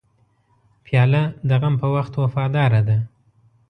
پیاله د غم په وخت وفاداره ده.